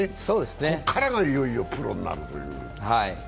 ここからがいよいよプロになる。